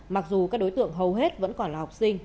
mặc dù các đối tượng hầu hết vẫn còn là học sinh